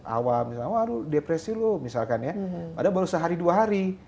awal awal depresi lo misalkan ya padahal baru sehari dua hari